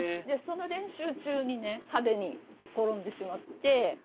その練習中にね派手に転んでしまって。